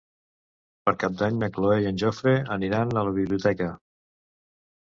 Per Cap d'Any na Cloè i en Jofre aniran a la biblioteca.